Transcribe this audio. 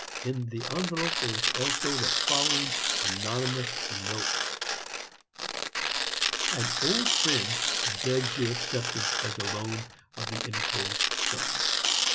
In the envelope there was also the following anonymous note: "'An old friend begs your acceptance, as a loan, of the inclosed sum.